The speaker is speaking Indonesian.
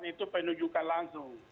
itu penunjukan langsung